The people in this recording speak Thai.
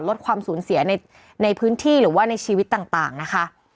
ลดความสูญเสียในพื้นที่หรือว่าในชีวิตต่างนะคะ